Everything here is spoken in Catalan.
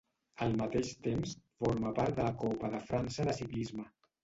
Al mateix temps, forma part de la Copa de França de ciclisme.